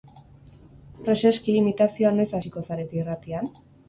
Preseski, imitazioan noiz hasiko zarete irratian?